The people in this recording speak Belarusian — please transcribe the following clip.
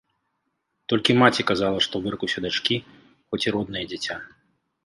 Толькі маці казала, што выракуся дачкі, хоць і роднае дзіця.